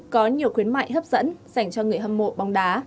có nhiều khuyến mại hấp dẫn dành cho người hâm mộ bóng đá